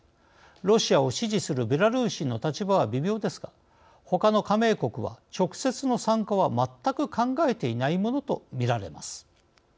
ロシアを支持するベラルーシの立場は微妙ですがほかの加盟国は直接の参加は全く考えていないものとみられます。